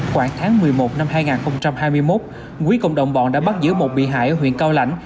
khoảng tháng một mươi một năm hai nghìn hai mươi một quý cùng đồng bọn đã bắt giữ một bị hại ở huyện cao lãnh